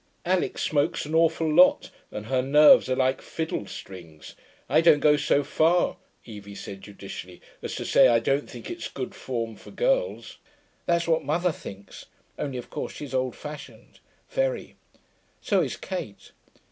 Alix smokes an awful lot, and her nerves are like fiddle strings. I don't go so far,' Evie said judicially, 'as to say I don't think it's good form for girls. That's what mother thinks, only of course she's old fashioned, very. So is Kate.